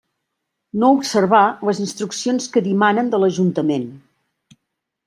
No observar les instruccions que dimanen de l'Ajuntament.